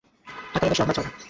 আকারে বেশ লম্বা-চওড়া।